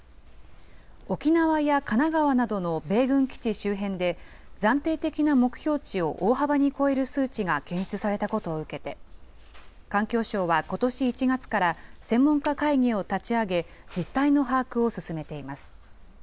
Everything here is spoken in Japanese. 沖縄や神奈川などの米軍基地周辺で、暫定的な目標値を大幅に超える数値が検出されたことを受けて、環境省はことし１月から専門家会議を立ち上げ、実態の把握を進めています。